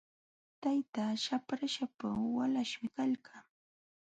Taytaa shaprasapa walaśhmi kalqa.